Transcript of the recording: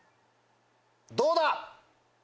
どうだ？